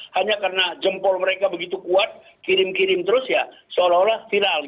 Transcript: hanya karena jempol mereka begitu kuat kirim kirim terus ya seolah olah viral